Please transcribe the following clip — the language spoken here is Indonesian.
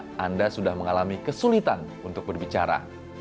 apakah anda sudah mengalami kesulitan untuk berbicara